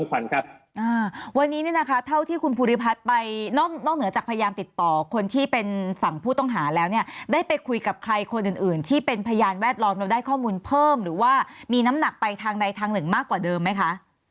วันนี้เนี่ยนะคะเท่าที่คุณภูริพัฒน์ไปนอกเหนือจากพยายามติดต่อคนที่เป็นฝั่งผู้ต้องหาแล้วเนี่ยได้ไปคุยกับใครคนอื่นที่เป็นพยานแวดล้อมเราได้ข้อมูลเพิ่มหรือว่ามีน้ำหนักไปทางใดทางหนึ่งมากกว่าเดิมไหมคะ